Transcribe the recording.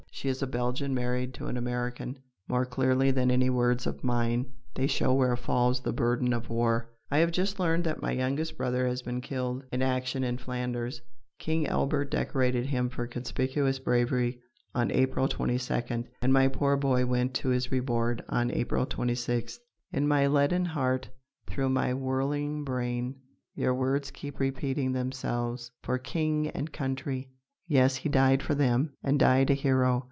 She is a Belgian, married to an American. More clearly than any words of mine, they show where falls the burden of war: "I have just learned that my youngest brother has been killed in action in Flanders. King Albert decorated him for conspicuous bravery on April 22d, and my poor boy went to his reward on April 26th. In my leaden heart, through my whirling brain, your words keep repeating themselves: 'For King and Country!' Yes, he died for them, and died a hero!